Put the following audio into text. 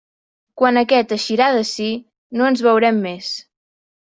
Quan aquest eixirà d'ací, no ens veurem més.